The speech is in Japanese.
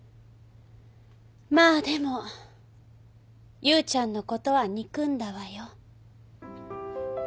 まあでもユウちゃんのことは憎んだわよ。